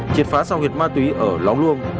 chiệt phá sau huyệt ma túy ở lóng luông